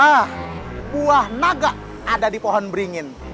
wah buah naga ada di pohon beringin